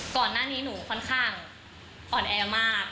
ก่อนหน้านี้หนูค่อนข้างอ่อนแอมาก